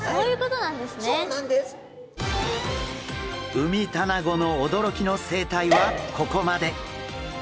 ウミタナゴの驚きの生態はここまで。